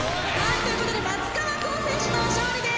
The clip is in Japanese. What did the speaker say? という事で松川虎生選手の勝利です。